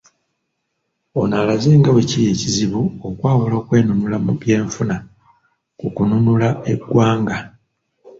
Ono alaze nga bwekiri ekizibu okwawula okwenunula mu by'enfuna ku kununula eggwanga